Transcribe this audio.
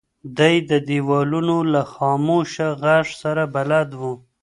دی د دیوالونو له خاموشه غږ سره بلد و.